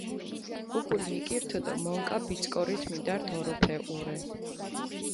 უკულ მიკირთჷ დო მონკა ბიწკორით მიდართ ოროფეჸურე.